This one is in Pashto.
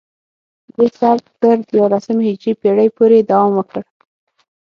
دې سبک تر دیارلسمې هجري پیړۍ پورې دوام وکړ